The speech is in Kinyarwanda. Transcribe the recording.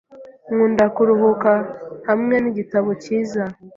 Nkunda kuruhuka hamwe nigitabo cyiza.